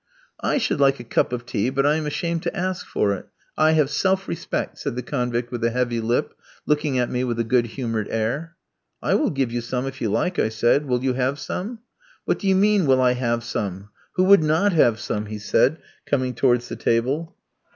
"I should like a cup of tea, but I am ashamed to ask for it. I have self respect," said the convict with the heavy lip, looking at me with a good humoured air. "I will give you some if you like," I said. "Will you have some?" "What do you mean will I have some? Who would not have some?" he said, coming towards the table.